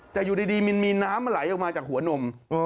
แต่อยู่ดีมันมีน้ำมันไหลออกมาจากหัวนม